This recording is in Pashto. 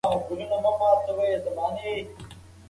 د محتوا جوړول اوس اسانه دي.